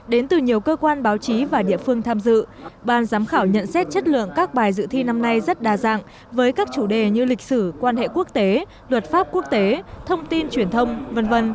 đến từ nhiều cơ quan báo chí và địa phương tham dự ban giám khảo nhận xét chất lượng các bài dự thi năm nay rất đa dạng với các chủ đề như lịch sử quan hệ quốc tế luật pháp quốc tế thông tin truyền thông v v